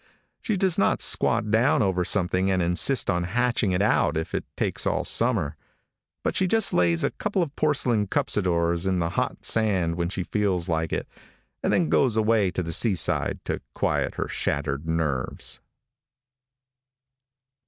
She does not squat down over something and insist on hatching it out if it takes all summer, but she just lays a couple of porcelain cuspidors in the hot sand when she feels like it, and then goes away to the seaside to quiet her shattered nerves.